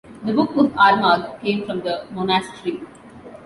The "Book of Armagh" came from the monastery.